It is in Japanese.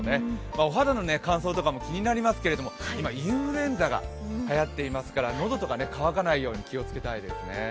お肌の乾燥とかも気になりますけど、今、インフルエンザがはやっていますから、喉とか乾かないように気をつけたいですね。